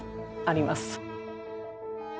あります。